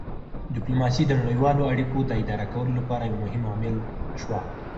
ډیپلوماسي د نړیوالو اړیکو د اداره کولو لپاره یو مهم عامل شوه